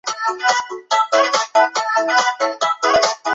沃尔瑟姆斯托中心站是维多利亚线北端的端点车站。